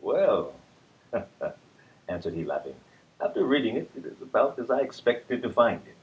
" Well," answered he, laughing, " after reading it, it is about as I expected to find it.